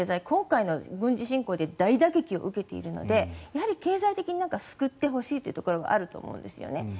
今回の軍事侵攻で大打撃を受けているので経済的に救ってほしいというところがあると思うんですよね。